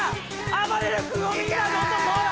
あばれる君をみんなで落とそうよ！